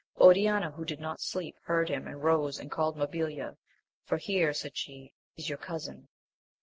Oriana, who did not sleep, heard him and rose and called Mabilia, for here, said she, is your cousin.